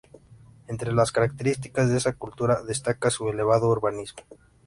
Entre las características de está cultura destaca su elevado urbanismo.